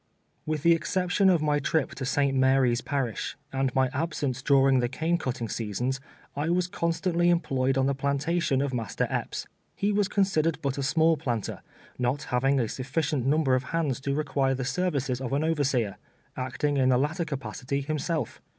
With the exception of my trip to St. Mary's parish, and my absence during the cane cutting seasons, I was constantly employed on the plantation of Master Epps. He was considered but a small planter, not having a sufficient number of hands to require the services of an overseer, acting in the latter capacity himself.